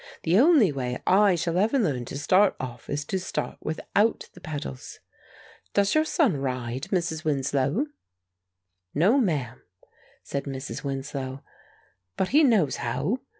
"The only way I shall ever learn to start off is to start without the pedals. Does your son ride, Mrs. Winslow?" "No, ma'am," said Mrs. Winslow; "but he knows how.